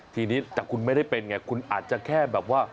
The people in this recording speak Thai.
ทีนี้แต่คุณไม่ได้เป็นไงคุณอาจจะแค่แบบว่า